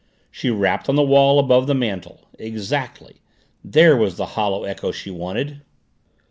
She rapped on the wall above the mantel exactly there was the hollow echo she wanted.